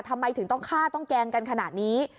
ทำไมถึงต้องฆ่าต้องแกล้งกันขนาดนี้